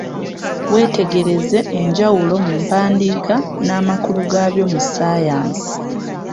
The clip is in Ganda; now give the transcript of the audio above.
Wetegereze enjawulo mu mpandiika n'amakulu gabyo mu ssayansi